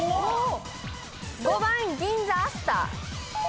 ５番銀座アスター。